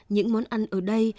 những món ăn ở đây